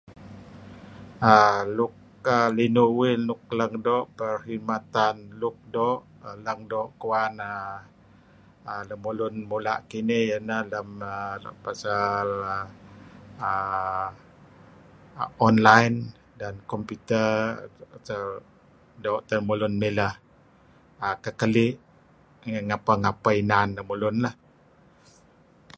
err luk err luk linuh uih lik doo' perkhidmatan luk doo' lang doo' kuwan err lemulun mula' kinih iyeh neh err lem pasal hal [er er] online dan computer doo' teh lemulun mileh kekeli' ngapeh-ngapeh inan lemulun lah'